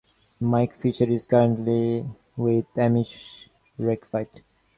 Mike Fisher is currently with Amish Rake Fight.